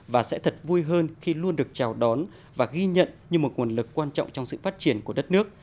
và sẽ thật vui hơn khi luôn được chào đón và ghi nhận như một nguồn lực quan trọng trong sự phát triển của đất nước